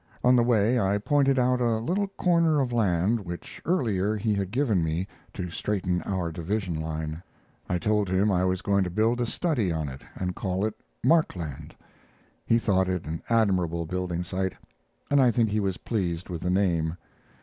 On the way I pointed out a little corner of land which earlier he had given me to straighten our division line. I told him I was going to build a study on it, and call it "Markland." He thought it an admirable building site, and I think he was pleased with the name.